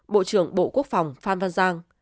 bộ trưởng bộ quốc phòng phan văn giang